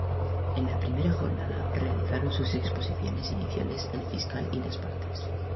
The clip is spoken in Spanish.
En la primera jornada, realizaron sus exposiciones iniciales el fiscal y las partes.